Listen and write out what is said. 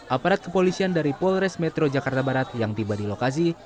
aparat kepolisian dari polres metro jakarta barat yang tiba di lokasi